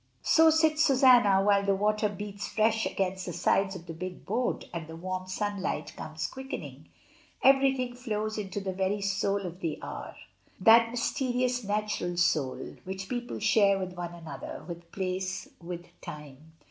So sits Susanna while the water beats fresh against the sides of the big boat and the warm sunlight comes quickening; everything flows into the very soul of the hour, that mysterious natural soul, which people share with one another, with place, with time.